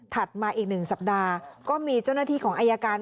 มาอีก๑สัปดาห์ก็มีเจ้าหน้าที่ของอายการ